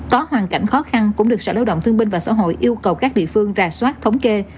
có hoàn cảnh khó khăn cũng được sở lao động thương binh và xã hội yêu cầu các địa phương ra soát thống kê